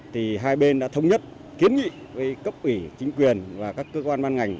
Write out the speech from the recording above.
thì hai bên đã thống nhất kiến nghị với cấp ủy chính quyền và các cơ quan ban ngành